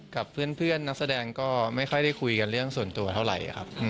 กับเพื่อนนักแสดงก็ไม่ค่อยได้คุยกันเรื่องส่วนตัวเท่าไหร่ครับ